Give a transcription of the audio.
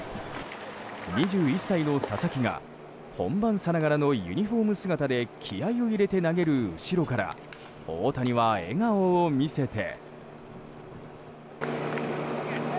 ２１歳の佐々木が本番さながらのユニホーム姿で気合を入れて投げる後ろから大谷は笑顔を見せて。